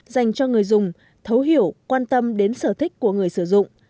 dành cho người dùng thấu hiểu quan tâm đến sở thích của người sử dụng